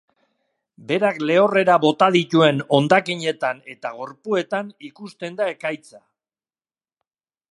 Berak lehorrera bota dituen hondakinetan eta gorpuetan ikusten da ekaitza.